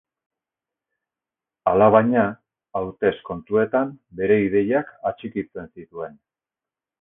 Alabaina, hautes kontuetan bere ideiak atxikitzen zituen.